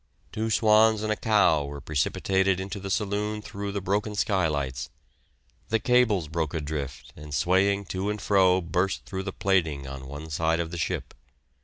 Two swans and a cow were precipitated into the saloon through the broken skylights. The cables broke adrift, and swaying to and fro burst through the plating on one side of the ship.